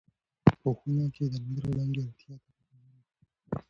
په خونه کې د لمر وړانګې روغتیا ته ګټورې دي.